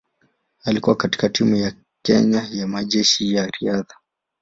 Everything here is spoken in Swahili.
Alikuwa katika timu ya Kenya ya Majeshi ya Riadha.